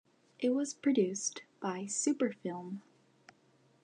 It was produced by Super-Film.